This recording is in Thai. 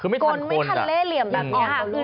ไม่ทันตอนเล่เหลี่ยมแบบนี้